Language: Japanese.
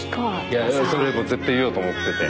いやそれは絶対言おうと思ってて。